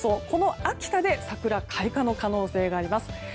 この秋田で桜開花の可能性があります。